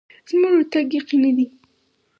زموږ ورتګ یقیني دی.